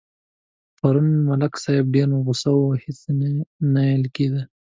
پرون ملک صاحب ډېر غوسه و هېڅ نه اېل کېدا.